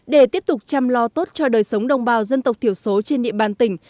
để tiếp tục chăm lo tốt cho đời sống đồng bào dân tộc thiểu số trên địa bàn tỉnh